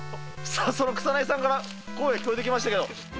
その草薙さんから声聞こえてきましたけれども。